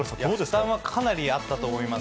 負担はかなりあったと思います。